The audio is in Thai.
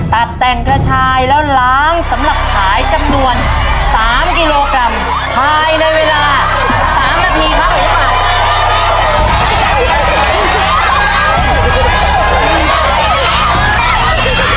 ตัดแต่งกระชายแล้วล้างสำหรับขายจำนวนสามกิโลกรัม